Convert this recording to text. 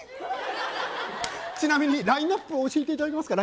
ちなみにラインナップを教えていただけますか？